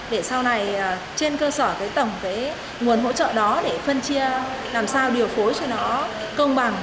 để sau này trên cơ sở cái tổng cái nguồn hỗ trợ đó để phân chia làm sao điều phối cho nó công bằng